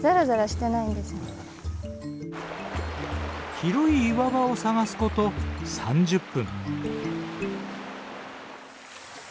広い岩場を探すこと３０分。